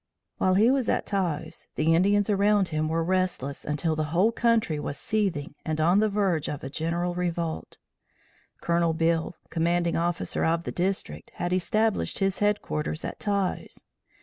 While he was at Taos, the Indians around him were restless until the whole country was seething and on the verge of a general revolt. Colonel Beale, commanding officer of the district, had established his headquarters at Taos.